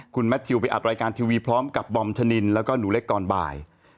คุณแมทิไปอัดรายการทีวีพร้อมกับบอมชานินและหนุแลกกรบ่าย